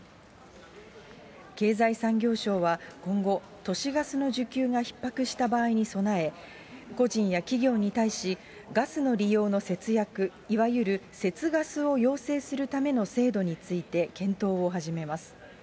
経済産業省は今後、都市ガスの需給がひっ迫した場合に備え、個人や企業に対し、ガスの利用の節約、いわゆる節ガスを要請するための制度について検討を始めます。